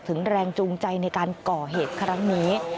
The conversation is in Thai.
แรงจูงใจในการก่อเหตุครั้งนี้